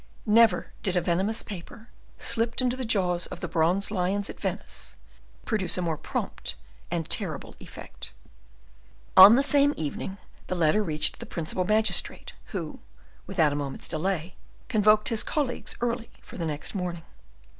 Never did a venomous paper, slipped into the jaws of the bronze lions at Venice, produce a more prompt and terrible effect. On the same evening the letter reached the principal magistrate, who without a moment's delay convoked his colleagues early for the next morning.